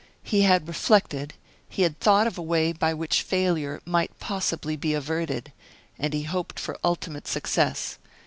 He had reflected, he had thought of a way by which failure might possibly be averted and he hoped for ultimate success.